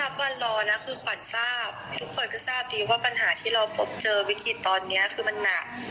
วันรอนะคือขวัญทราบทุกคนก็ทราบดีว่าปัญหาที่เราพบเจอวิกฤตตอนนี้คือมันหนัก